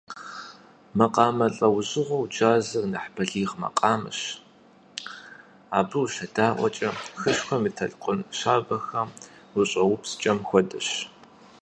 Макъамэ лӏэужьыгъуэу джазыр нэхъ бэлигъ макъамэщ, абы ущедаӏуэкӏэ, хышхуэм и толъкун щабэхэм ущӏаупскӏэм хуэдэщ.